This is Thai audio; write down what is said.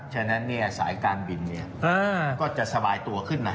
ฉะนั้นสายการบินก็จะสบายตัวขึ้นนะ